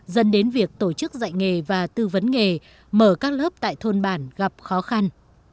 dân đến việc tổ chức dạy nghề và tư vấn nghề mở các lớp tại thôn bản gặp khó khăn